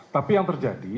tapi yang terjadi